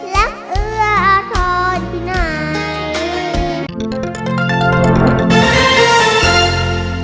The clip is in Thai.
และเอื้ออาทรที่ไหน